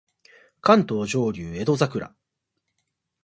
関東上流江戸桜